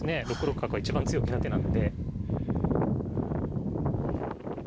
６六角は一番強気な手なんで。